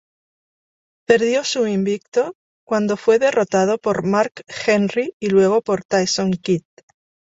Perdió su invicto cuando fue derrotado por Mark Henry y luego por Tyson Kidd.